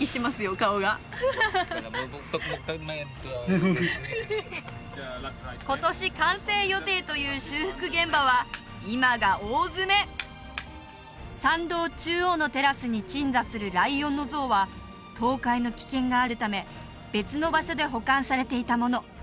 顔が今年完成予定という修復現場は今が大詰め参道中央のテラスに鎮座するライオンの像は倒壊の危険があるため別の場所で保管されていたもの